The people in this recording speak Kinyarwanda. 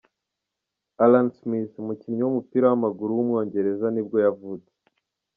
Alan Smith, umukinnyi w’umupira w’amaguru w’umwongereza nibwo yavutse.